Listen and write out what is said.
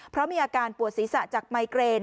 เพราะมีอาการปวดศีรษะจากไมเกรน